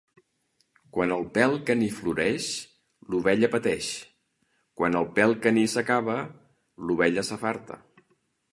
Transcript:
Quan el pèl caní floreix, l'ovella pateix; quan el pèl caní s'acaba, l'ovella s'afarta.